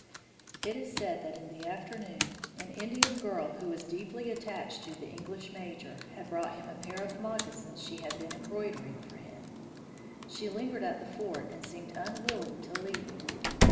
It is said that in the afternoon an Indian girl who was deeply attached to the English Major had brought him a pair of moccasins she had been embroidering for him. She lingered at the fort and seemed unwilling to leave.